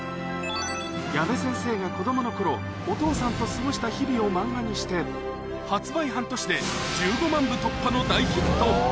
矢部先生が子どものころ、お父さんと過ごした日々を漫画にして、発売半年で１５万部突破の大ヒット！